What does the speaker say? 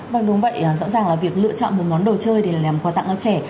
vâng đúng vậy rõ ràng là việc lựa chọn một món đồ chơi để làm quà tặng cho trẻ